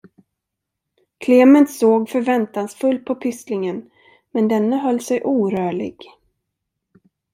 Klement såg förväntansfull på pysslingen, men denne höll sig orörlig.